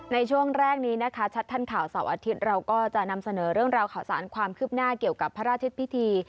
ในช่วงแรกนี้นะคะชัดทันข่าวเสาร์อาทิตย์เราก็จะนำเสนอเรื่องราวข่าวสารความคืบหน้าเกี่ยวกับพระราชพิธี